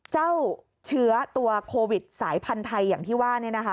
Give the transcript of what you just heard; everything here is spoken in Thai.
เจ้าเชื้อตัวโควิดสายพันธุ์ไทยอย่างที่ว่า